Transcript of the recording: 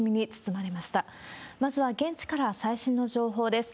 まずは現地から、最新の情報です。